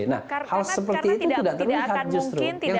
nah hal seperti itu tidak terlalu banyak